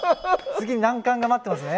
次難関が待ってますね。